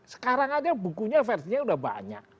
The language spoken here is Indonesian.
sekarang saja bukunya versinya sudah banyak